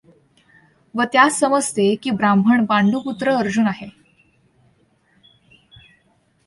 व त्यास समजते की ब्राह्मण पांडुपुत्र अर्जुन आहे.